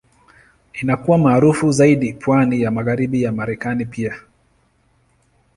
Inakuwa maarufu zaidi pwani ya Magharibi ya Marekani pia.